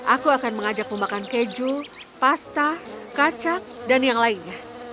aku akan mengajak pembakaran keju pasta kacang dan lainnya